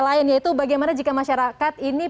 lain yaitu bagaimana jika masyarakat ini